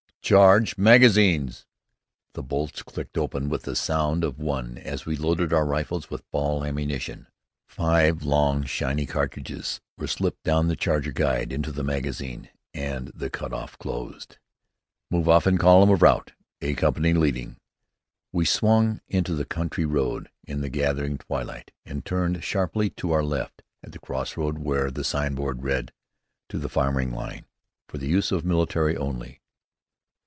"Charge magazines!" The bolts clicked open with the sound of one as we loaded our rifles with ball ammunition. Five long shiny cartridges were slipped down the charger guide into the magazine, and the cut off closed. "Move off in column of route, 'A' company leading!" We swung into the country road in the gathering twilight, and turned sharply to our left at the crossroad where the signboard read, "To the Firing Line. For the Use of the Military Only."